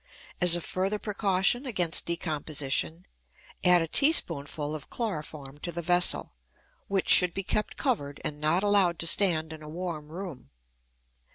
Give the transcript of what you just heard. As a further precaution against decomposition, add a teaspoonful of chloroform to the vessel, which should be kept covered, and not allowed to stand in a warm room.